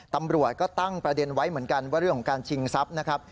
ตำรวจก็ตั้งประเด็นไว้เหมือนกันว่าเรื่องของการชิงทรัพย์นะครับ